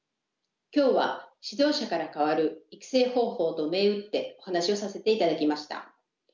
今日は「指導者から変わる育成方法」と銘打ってお話しをさせていただきました。